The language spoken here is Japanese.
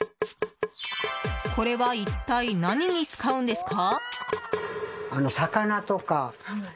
これは、一体何に使うんですか？